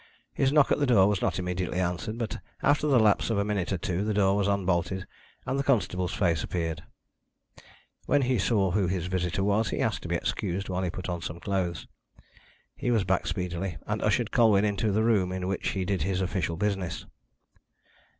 His knock at the door was not immediately answered, but after the lapse of a minute or two the door was unbolted, and the constable's face appeared. When he saw who his visitor was he asked to be excused while he put on some clothes. He was back speedily, and ushered Colwyn into the room in which he did his official business.